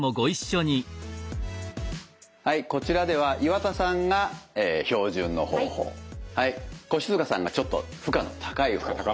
はいこちらでは岩田さんが標準の方法はい越塚さんがちょっと負荷の高い方法